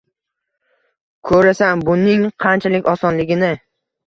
Ko`rasan buning qanchalik osonligini